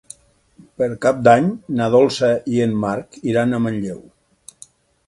Per Cap d'Any na Dolça i en Marc iran a Manlleu.